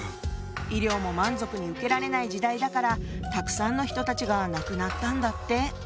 医療も満足に受けられない時代だからたくさんの人たちが亡くなったんだって。